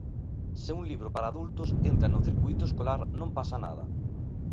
Se un libro para adultos entra no circuíto escolar non pasa nada.